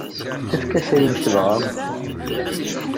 Efk-as ayen tebɣa.